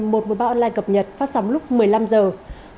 một bộ báo online cập nhật phát sóng lúc một mươi năm h